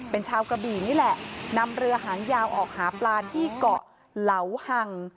เป็นชาวกระบี่นี่แหละนำเรือหางยาวออกหาปลาที่เกาะเหลาหัง